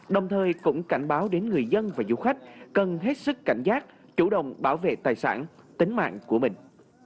đồng thời cũng cảnh báo đến người dân và du khách cần hết sức cảnh giác chủ động bảo vệ tài sản tính mạng của mình